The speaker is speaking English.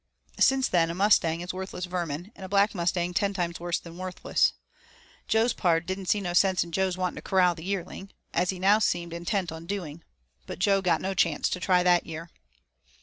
Since, then, a mustang is worthless vermin, and a black mustang ten times worse than worthless, Jo's pard "didn't see no sense in Jo's wantin' to corral the yearling," as he now seemed intent on doing. But Jo got no chance to try that year.